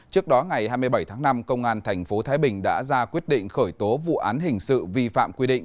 trước đó ngày hai mươi bảy tháng năm công an tp thái bình đã ra quyết định khởi tố vụ án hình sự vi phạm quy định